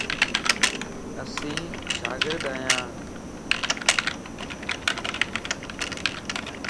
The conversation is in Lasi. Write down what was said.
اسين شاگرد آھيان.